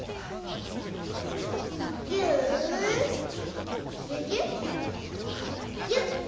ぎゅぎゅぎゅっぎゅ。